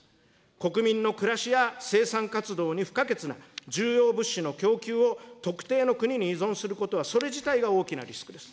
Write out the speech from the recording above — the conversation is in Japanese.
国民の暮らしや生産活動に不可欠な重要物資の供給を特定の国に依存することは、それ自体が大きなリスクです。